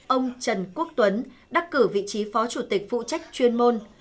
ông trần quốc tuấn đắc cử vị trí phó chủ tịch phụ trách chuyên môn